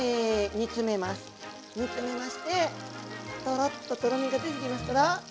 煮詰めましてとろっととろみがついてきましたら。